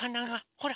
ほら！